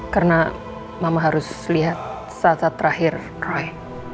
karena mama harus lihat saat saat terakhir roy